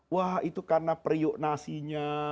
wah itu karena periuk nasinya